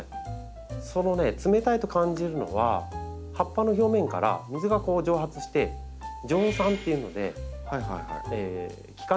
そのね冷たいと感じるのは葉っぱの表面から水が蒸発して蒸散っていうので気化熱が発生して冷たくなってるんです。